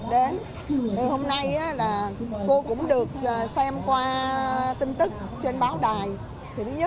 cô muốn tìm một đơn vị và một tour phù hợp với gia đình